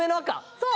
そう。